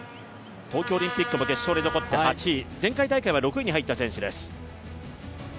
東京オリンピックも決勝で残って８位、前回大会は６位に入った選手です。